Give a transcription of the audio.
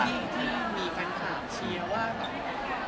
ที่มีแฟนการ์มเชียว่าแบบ